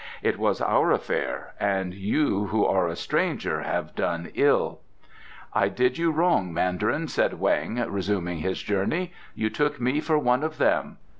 It was our affair, and you, who are a stranger, have done ill." "I did you wrong, Mandarin," said Weng, resuming his journey; "you took me for one of them.